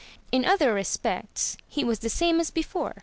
In other respects, he was the same as before.